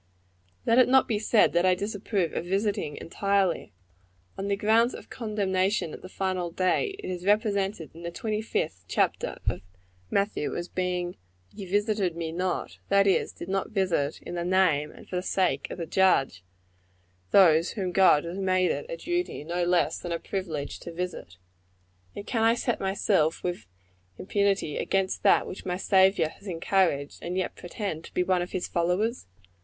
Let it not be said that I disapprove of visiting, entirely. One of the grounds of condemnation at the final day, is represented in the twenty fifth chapter of Matthew, as being "Ye visited me not;" that is, did not visit in the name and for the sake of the Judge, those whom God has made it a duty no less than a privilege to visit. And can I set myself, with impunity, against that which my Saviour has encouraged, and yet pretend to be one of his followers?